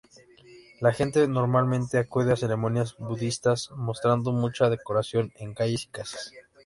La gente normalmente acude a ceremonias budistas mostrando mucha decoración en calles y casas.